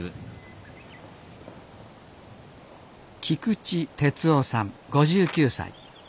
菊池哲男さん５９歳。